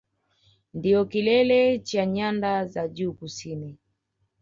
Ndiyo kilele cha Nyanda za Juu Kusini